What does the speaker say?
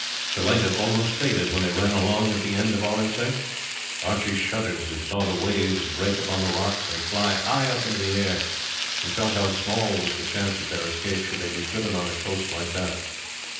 The light had almost faded when they ran along at the end of Oronsay. Archie shuddered as he saw the waves break upon the rocks and fly high up into the air, and felt how small was the chance of their escape should they be driven on a coast like that.